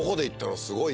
すごい！